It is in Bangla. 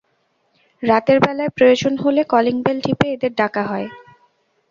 রাতের বেলায় প্রয়োজন হলে কলিং বেল টিপে এদের ডাকা হয়।